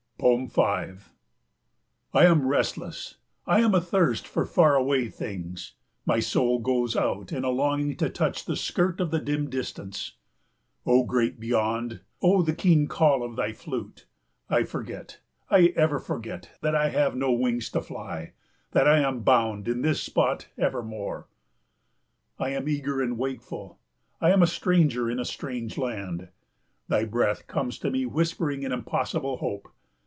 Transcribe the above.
5 I am restless. I am athirst for far away things. My soul goes out in a longing to touch the skirt of the dim distance. O Great Beyond, O the keen call of thy flute! I forget, I ever forget, that I have no wings to fly, that I am bound in this spot evermore. I am eager and wakeful, I am a stranger in a strange land. Thy breath comes to me whispering an impossible hope.